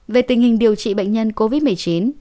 về tình hình điều trị bệnh nhân covid một mươi chín